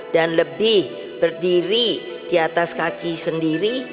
dan lebih berdiri di atas kaki sendiri